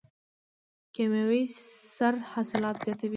کیمیاوي سره حاصلات زیاتوي.